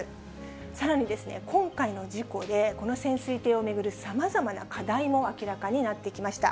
さらにですね、今回の事故で、この潜水艇を巡るさまざまな課題も明らかになってきました。